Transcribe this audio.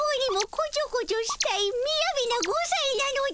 こちょこちょしたいみやびな５さいなのじゃ。